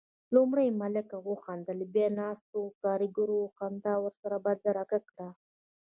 لومړی ملک وخندل، بيا ناستو کاريګرو خندا ورسره بدرګه کړه.